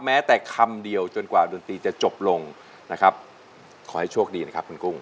แม้แต่คำเดียวจนกว่าดนตรีจะจบลงนะครับขอให้โชคดีนะครับคุณกุ้ง